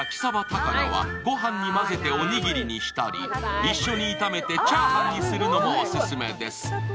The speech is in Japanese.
高菜はごはんに混ぜておにぎりにしたり一緒に炒めてチャーハンにするのもオススメです。